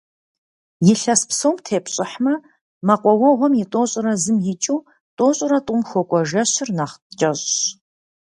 Илъэс псом тепщӀыхьмэ, мэкъуауэгъуэм и тӏощӏрэ зым икӀыу тӏощӏрэ тӏум хуэкӀуэ жэщыр нэхъ кӀэщӀщ.